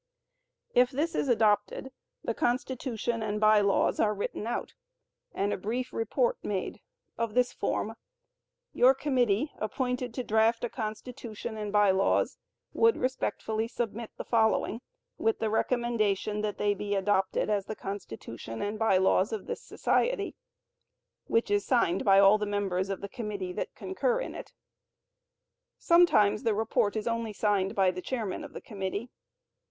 If this is adopted, the Constitution and By Laws are written out, and a brief report made of this form: "Your committee, appointed to draft a Constitution and By Laws, would respectfully submit the following, with the recommendation that they be adopted as the Constitution and By Laws of this society;" which is signed by all the members of the committee that concur in it. Sometimes the report is only signed by the chairman of the committee.